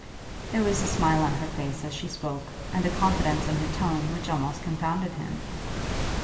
There was a smile on her face as she spoke, and a confidence in her tone which almost confounded him.